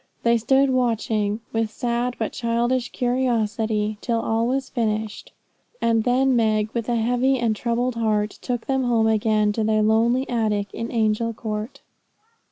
They stood watching, with sad but childish curiosity, till all was finished; and then Meg, with a heavy and troubled heart, took them home again to their lonely attic in Angel Court.